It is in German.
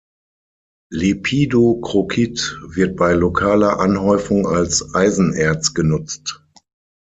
Lepidokrokit wird bei lokaler Anhäufung als Eisenerz genutzt.